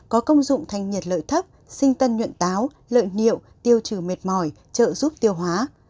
có công dụng thành nhiệt lợi thấp sinh tân nhuận táo lợi nhiệu tiêu trừ mệt mỏi trợ giúp tiêu hóa